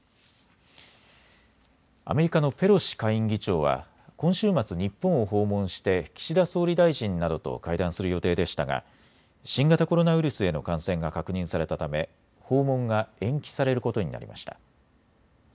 アメリカのペロシ下院議長は今週末、日本を訪問して岸田総理大臣などと会談する予定でしたが新型コロナウイルスへの感染が確認されたため訪問が延期されることになりました。